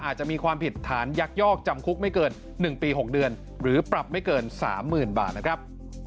อาจจะมีความผิดฐานยักยอกจำคุกไม่เกิน๑ปี๖เดือนหรือปรับไม่เกิน๓๐๐๐บาทนะครับ